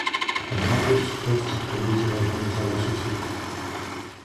Аднак ёсць хтосьці, хто будзе важней за вас усіх.